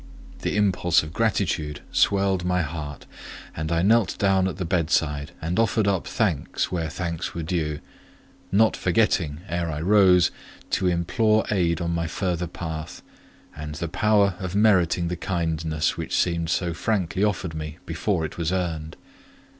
The impulse of gratitude swelled my heart, and I knelt down at the bedside, and offered up thanks where thanks were due; not forgetting, ere I rose, to implore aid on my further path, and the power of meriting the kindness which seemed so frankly offered me before it was earned.